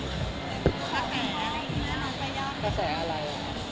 แต่ว่าจะไปอะไร